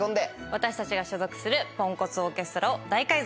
私たちが所属するポンコツオーケストラを大改造。